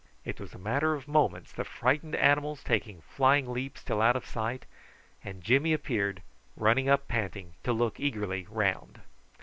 It was a matter of moments; the frightened animals, taking flying leaps till out of sight, and Jimmy appeared, running up panting, to look eagerly round.